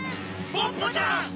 ポッポちゃん！